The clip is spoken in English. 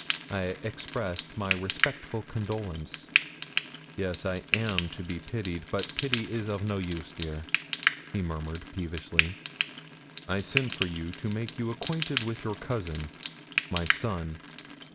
I expressed my respectful condolence. 'Yes; I am to be pitied; but pity is of no use, dear,' he murmured, peevishly. 'I sent for you to make you acquainted with your cousin, my son.